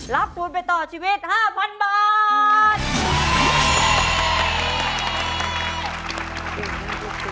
รับทุนไปต่อชีวิต๕๐๐๐บาท